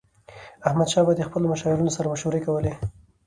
احمدشاه بابا به د خپلو مشاورینو سره مشورې کولي.